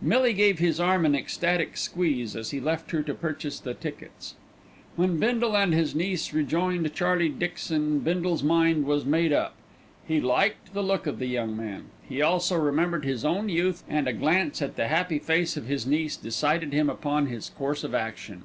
Millie gave his arm an ecstatic squeeze as he left her to purchase the tickets. When Bindle and his niece rejoined Charlie Dixon Bindle's mind was made up. He liked the look of the young man. He also remembered his own youth, and a glance at the happy face of his niece decided him upon his course of action.